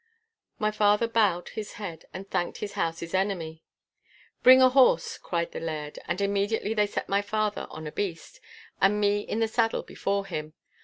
My father bowed his head and thanked his house's enemy. 'Bring a horse,' cried the Laird, and immediately they set my father on a beast, and me in the saddle before him.